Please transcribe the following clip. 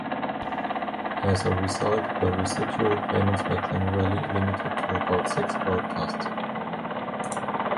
As a result, the residual payments were generally limited to about six broadcasts.